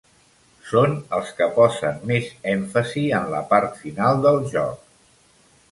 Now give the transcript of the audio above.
Són els que posen més èmfasi en la part final del joc.